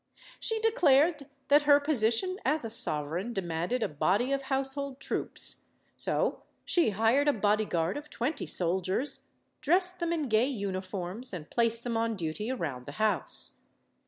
She declared that her position as a sovereign de manded a body of household troops. So she hired a bodyguard of twenty soldiers, dressed them in gay uniforms, and placed them on duty around the house.